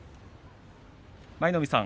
舞の海さん